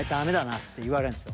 って言われるんですよ。